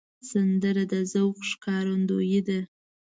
سندره د ذوق ښکارندوی ده